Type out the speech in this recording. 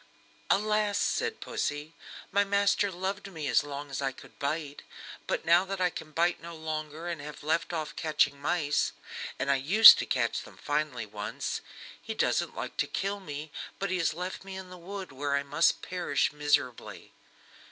"Alas!" said Pussy, "my master loved me as long as I could bite, but now that I can bite no longer and have left off catching mice and I used to catch them finely once he doesn't like to kill me, but he has left me in the wood, where I must perish miserably."